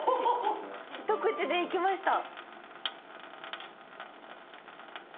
ひと口でいきました。